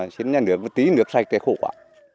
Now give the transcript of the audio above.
xin nhận được một tí nước sạch để khổ quả